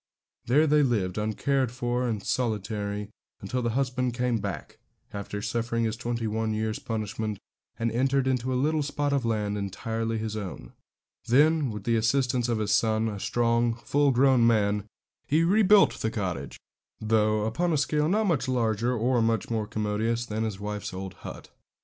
There they lived, uncared for and solitary, until the husband came back, after suffering his twenty one years' punishment, and entered into a little spot of land entirely his own. Then, with the assistance of his son, a strong, full grown young man, he rebuilt the cottage, though upon a scale not much larger or much more commodious than his wife's old hut.